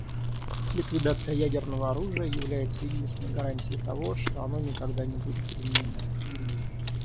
Ликвидация ядерного оружия является единственной гарантией того, что оно никогда не будет применено.